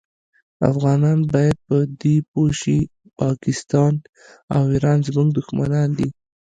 افغانان باید په دي پوه شي پاکستان او ایران زمونږ دوښمنان دي